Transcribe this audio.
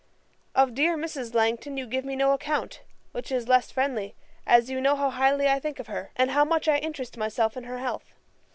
'Of dear Mrs. Langton you give me no account; which is the less friendly, as you know how highly I think of her, and how much I interest myself in her health.